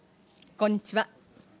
こんにちは。